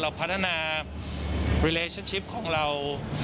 เราพัฒนารัฐการของเรา